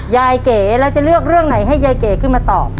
เก๋แล้วจะเลือกเรื่องไหนให้ยายเก๋ขึ้นมาตอบ